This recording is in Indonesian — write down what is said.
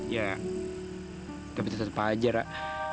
ya tapi tetep aja rak